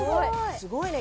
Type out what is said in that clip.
すごいね。